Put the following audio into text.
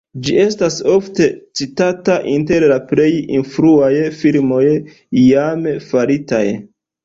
Ĝi estas ofte citata inter la plej influaj filmoj iame faritaj.